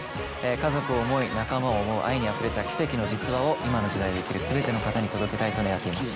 家族を思い仲間を思う愛にあふれた奇跡の実話を今の時代を生きる全ての方に届けたいと願っています。